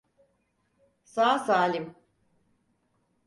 Sağ salim.